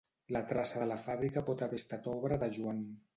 La traça de la fàbrica pot haver estat obra de Joan.